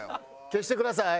消してください。